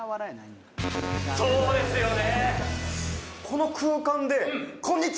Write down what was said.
そうですよね